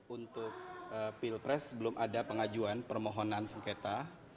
untuk pilpres belum ada pengajuan permohonan sengketa